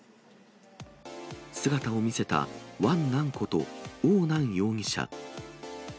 姿を見せたワンナンこと汪楠容疑者。